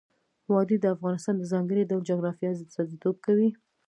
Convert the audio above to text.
وادي د افغانستان د ځانګړي ډول جغرافیه استازیتوب کوي.